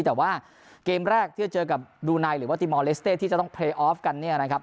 แต่ว่าเกมแรกที่จะเจอกับดูไนหรือว่าติมอลเลสเต้ที่จะต้องเพลย์ออฟกันเนี่ยนะครับ